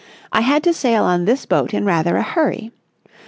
I had to sail on this boat in rather a hurry.